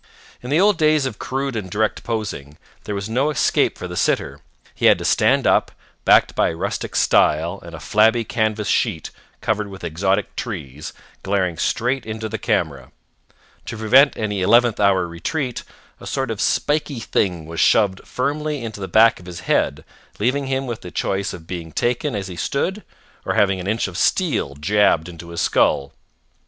In the old days of crude and direct posing, there was no escape for the sitter. He had to stand up, backed by a rustic stile and a flabby canvas sheet covered with exotic trees, glaring straight into the camera. To prevent any eleventh hour retreat, a sort of spiky thing was shoved firmly into the back of his head leaving him with the choice of being taken as he stood or having an inch of steel jabbed into his skull.